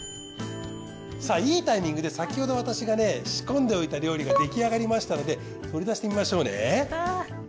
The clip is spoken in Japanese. さぁいいタイミングで先ほど私がね仕込んでおいた料理が出来上がりましたので取り出してみましょうね。